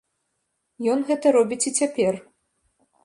Ён гэта робіць і цяпер.